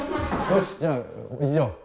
よしじゃあ工作。